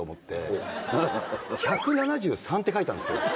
１７３って書いたんですよ。